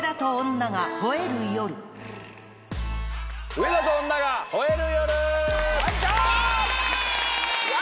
『上田と女が吠える夜』！